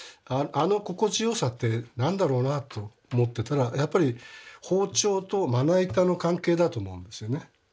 あの心地よさって何だろうなと思ってたらやっぱり包丁とまな板の関係だと思うんですよね。